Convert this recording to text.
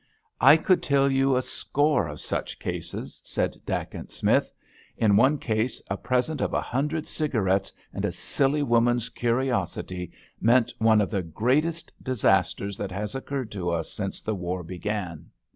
"I could tell you a score of such cases," said Dacent Smith. "In one case a present of a hundred cigarettes and a silly woman's curiosity meant one of the greatest disasters that has occurred to us since the war began."